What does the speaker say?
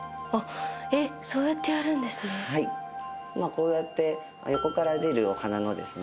こうやって横から出るお花のですね